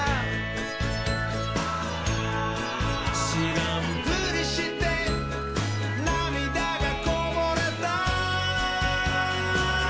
「しらんぷりしてなみだがこぼれた」